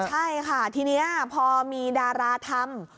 ใช่ค่ะทีนี้พอมีดาราทำ